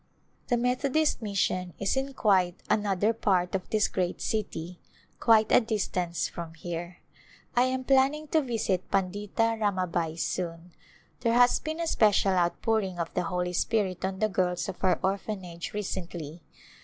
The Methodist Mission is in quite another part of this great city, quite a distance from here. I am planning to visit Pandita Ramabai soon. There has been a special outpouring of the Holy Spirit on the girls of her Orphanage recently.